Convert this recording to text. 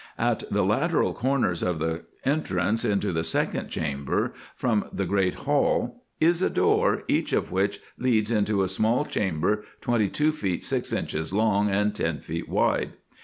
At IN EGYPT, NUBIA, &c. 213 the lateral corners of the entrance into the second chamber from the great hall is a door, each of which leads into a small chamber twenty two feet six inches long, and ten feet wide.